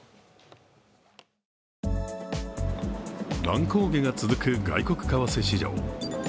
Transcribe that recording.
乱高下が続く外国為替市場。